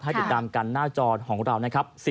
ติดตามกันหน้าจอของเรานะครับ